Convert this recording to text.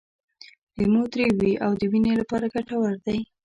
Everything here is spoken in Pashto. لیمو تریو وي او د وینې لپاره ګټور دی.